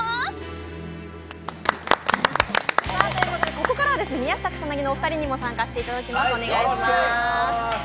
ここからは宮下草薙のお二人にも参加していただきます。